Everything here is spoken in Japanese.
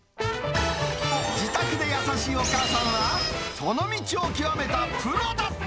自宅で優しいお母さんは、その道を究めたプロだった。